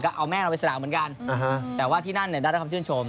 ก็เอาแม่เราไปสนามเหมือนกันแต่ว่าที่นั่นเนี่ยได้รับคำชื่นชม